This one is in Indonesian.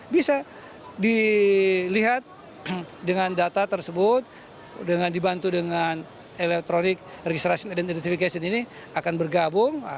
bisa dilihat dengan data tersebut dengan dibantu dengan electronic registrasi identification ini akan bergabung